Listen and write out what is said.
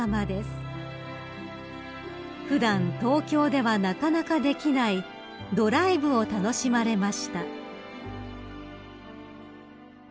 ［普段東京ではなかなかできないドライブを楽しまれました］